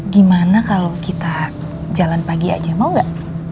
gimana kalau kita jalan pagi aja mau gak